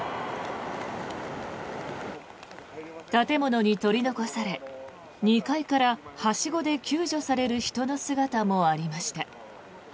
建物に取り残され、２階からはしごで救助される人の姿もありました。